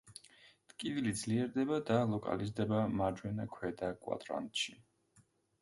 ტკივილი ძლიერდება და ლოკალიზდება მარჯვენა ქვედა კვადრანტში.